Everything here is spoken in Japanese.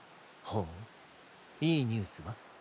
ほういいニュースは？